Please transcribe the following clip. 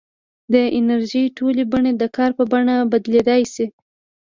د انرژۍ ټولې بڼې د کار په بڼه بدلېدای شي.